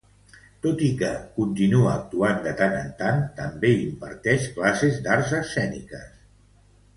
Tot i que continua actuant de tant en tant, també imparteix classes d'arts escèniques.